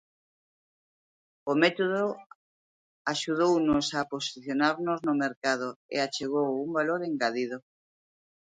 O método axudounos a posicionarnos no mercado e achegou un valor engadido.